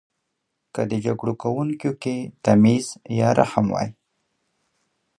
که د جګړو کونکیو کې تمیز یا رحم وای.